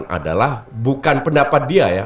adalah bukan pendapat dia ya